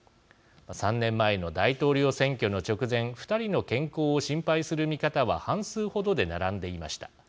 ３年前の大統領選挙の直前２人の健康を心配する見方は半数程で並んでいました。